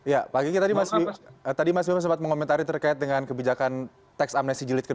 ya pak kiki tadi mas bima sempat mengomentari terkait dengan kebijakan teks amnesti jilid ke dua